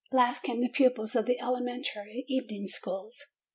Last came the pupils of the ele mentary evening schools.